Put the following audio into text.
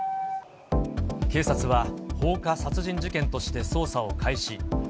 警察は、放火殺人事件として捜査を開始。